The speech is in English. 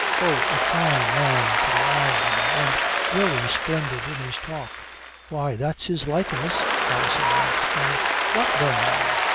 Oh, a fine man to the eye, ma'am, and very splendid in his talk." "Why, that's his likeness," Alison laughed. "And what then, ma'am?